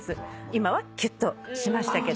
今はキュッとしましたけども。